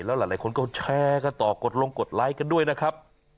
แล้วหลายคนก็แชร์กันต่อกดลงกดไลค์กันด้วยนะครับ